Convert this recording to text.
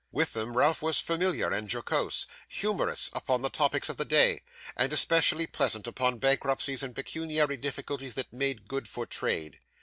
With them Ralph was familiar and jocose, humorous upon the topics of the day, and especially pleasant upon bankruptcies and pecuniary difficulties that made good for trade.